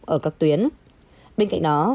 ở các tuyến bên cạnh đó